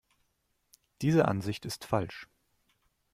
Diese Ansicht ist falsch.